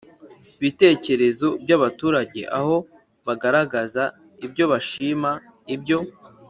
Bitekerezo by abaturage aho bagaragaza ibyo bashima ibyo